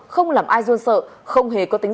không làm ai ruồn sợ không hề có tính